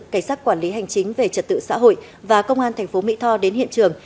cảnh sát quản lý hành chính về trật tự xã hội và công an tp mỹ tho đến hiện trường